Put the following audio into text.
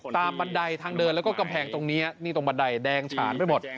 บันไดทางเดินแล้วก็กำแพงตรงนี้นี่ตรงบันไดแดงฉานไปหมด